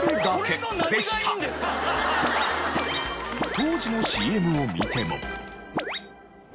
当時のＣＭを見ても。